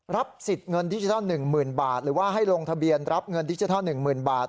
สิทธิ์เงินดิจิทัล๑๐๐๐บาทหรือว่าให้ลงทะเบียนรับเงินดิจิทัล๑๐๐๐บาท